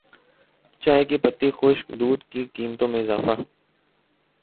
چائے کی پتی خشک دودھ کی قیمتوں میں اضافہ